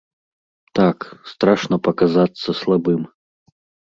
Так, страшна паказацца слабым.